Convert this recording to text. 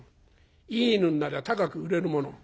いい犬になりゃ高く売れるもの」。